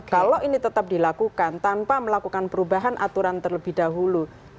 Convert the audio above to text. kalau ini tetap dilakukan tanpa melakukan perubahan aturan terlebih dahulu